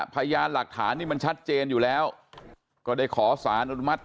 พยานหลักฐานนี่มันชัดเจนอยู่แล้วก็ได้ขอสารอนุมัติ